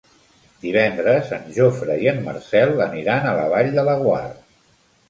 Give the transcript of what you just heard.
Divendres en Jofre i en Marcel aniran a la Vall de Laguar.